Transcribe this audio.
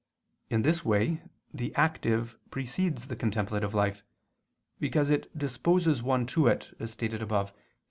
In this way the active precedes the contemplative life, because it disposes one to it, as stated above (A.